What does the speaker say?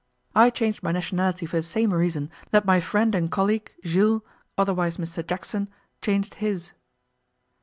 I changed my nationality for the same reason that my friend and colleague, Jules, otherwise Mr Jackson, changed his.